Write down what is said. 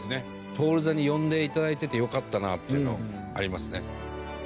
徹座に呼んで頂いててよかったなっていうのありますね。